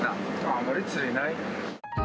あんまり釣れない。